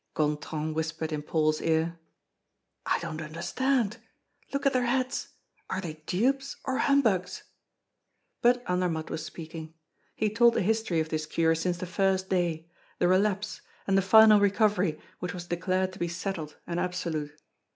Gontran whispered in Paul's ear: "I don't understand. Look at their heads. Are they dupes or humbugs?" But Andermatt was speaking. He told the history of this cure since the first day, the relapse, and the final recovery which was declared to be settled and absolute.